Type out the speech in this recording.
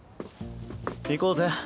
行こうぜ。